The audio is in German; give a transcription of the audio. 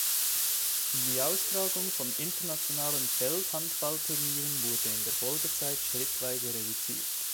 Die Austragung von internationalen Feldhandball-Turnieren wurde in der Folgezeit schrittweise reduziert.